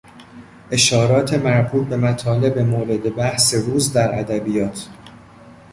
اشارات مربوط به مطالب مورد بحث روز در ادبیات